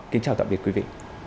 kính chào tạm biệt quý vị